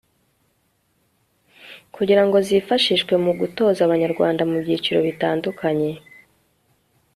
kugira ngo zifashishwe mu gutoza abanyarwanda mu byiciro bitandukanye